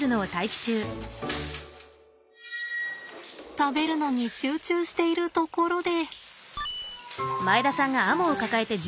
食べるのに集中しているところで。